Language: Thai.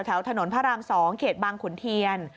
แถวถนนพระราม๒เขตบางขุนเทียน